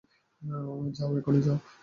যাও, এখনি, যাও।